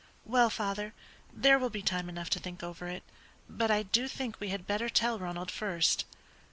"Well, father, there will be time enough to think over it, but I do think we had better tell Ronald first."